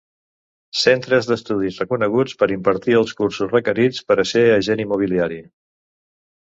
Centres d'estudis reconeguts per impartir els cursos requerits per a ser agent immobiliari.